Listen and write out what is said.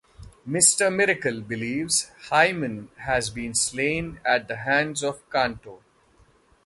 Mister Miracle believes Himon has been slain at the hands of Kanto.